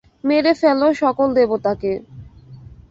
মেরে ফেলো সকল দেবতাকে।